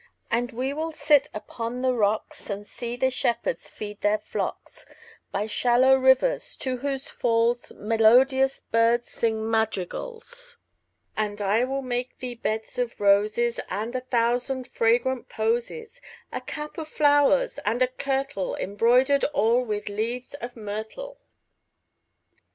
And we will sit upon the rocks, 5 And see the shepherds feed their flocks By shallow rivers, to whose falls Melodious birds sing madrigals. And I will make thee beds of roses And a thousand fragrant posies; 10 A cap of flowers, and a kirtle Embroider'd all with leaves of myrtle.